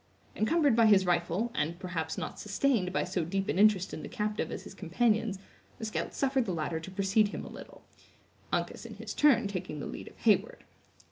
Encumbered by his rifle, and, perhaps, not sustained by so deep an interest in the captive as his companions, the scout suffered the latter to precede him a little, Uncas, in his turn, taking the lead of Heyward.